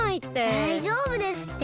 だいじょうぶですって。